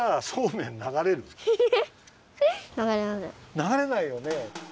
ながれないよね。